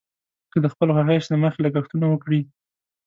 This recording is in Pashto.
که د خپل خواهش له مخې لګښتونه وکړي.